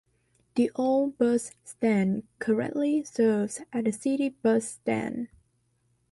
The old bus stand currently serves as the city bus stand.